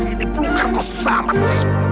ini pelukar kusamat sih